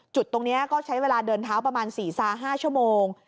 จุดตรงนี้ก็ใช้เวลาเดินเท้าประมาณ๔๕ชั่วโมง